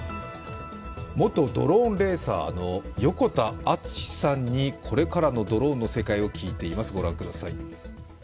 元ドローンレーサーの横田淳さんにこれからのドローンの世界を聞いています。